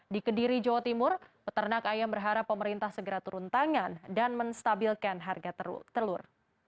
di kediri jawa timur peternak ayam berharap pemerintah segera turun tangan dan menstabilkan harga telur